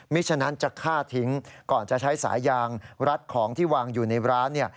ฉะนั้นจะฆ่าทิ้งก่อนจะใช้สายยางรัดของที่วางอยู่ในร้านเนี่ย